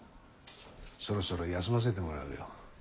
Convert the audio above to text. そろそろ休ませてもらうよ。